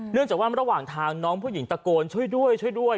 เนื่องจากว่าระหว่างทางน้องผู้หญิงตะโกนช่วยด้วย